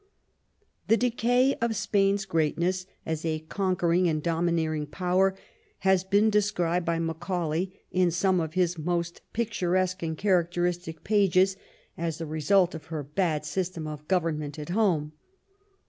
The decay of Spain's greatness as a conquering and a domineering power has been described by Macau lay in some of his most picturesque and characteristic pages as the result of her bad system of government at home.